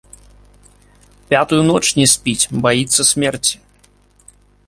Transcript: Пятую ноч не спіць, баіцца смерці.